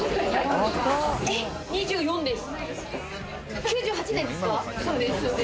２４です。